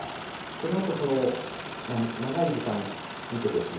このあと、その長い時間見てですね。